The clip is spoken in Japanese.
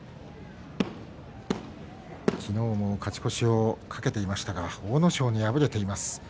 昨日も勝ち越しを懸けていましたが阿武咲に敗れています。